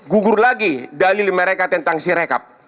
gugur lagi dalil mereka tentang sirekap